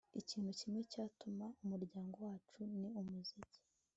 ikintu kimwe cyatumaga umuryango wacu ni umuziki